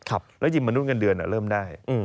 แล้วยิมมนุษย์เงินเดือนเริ่มได้